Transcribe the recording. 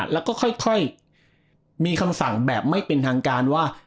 แล้วก็ค่อยมีคำสั่งแบบไม่เป็นทางการว่า